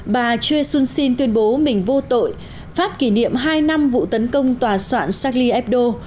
bà chue sun shin tuyên bố mình vô tội phát kỷ niệm hai năm vụ tấn công tòa soạn shagli ebdo